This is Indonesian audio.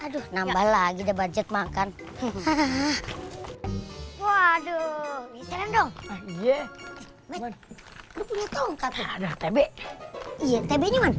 aduh nambah lagi budget makan waduh